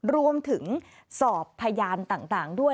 รวมถึงสอบพยานต่างด้วย